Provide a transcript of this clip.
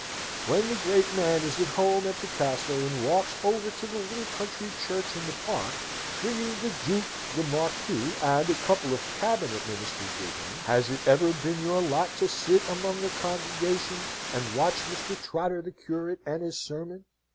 When the Great Man is at home at the Castle, and walks over to the little country church, in the park, bringing the Duke, the Marquis, and a couple of Cabinet Ministers with him, has it ever been your lot to sit among the congregation, and watch Mr. Trotter the curate and his sermon?